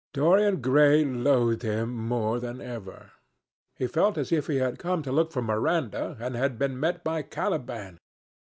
Dorian Gray loathed him more than ever. He felt as if he had come to look for Miranda and had been met by Caliban.